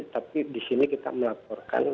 tapi di sini kita melaporkan